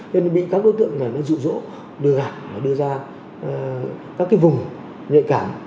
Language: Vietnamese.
cho nên là bị các đối tượng này nó dụ dỗ đưa gạt đưa ra các cái vùng nhạy cảm